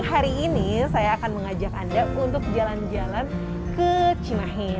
hari ini saya akan mengajak anda untuk jalan jalan ke cimahi